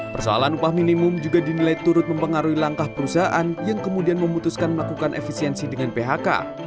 persoalan upah minimum juga dinilai turut mempengaruhi langkah perusahaan yang kemudian memutuskan melakukan efisiensi dengan phk